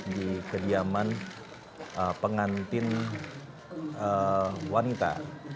di kediaman pengantin wanita